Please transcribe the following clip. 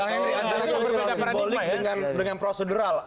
bersimbolik dengan prosedural